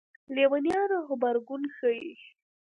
لېونیانو غبرګون ښيي.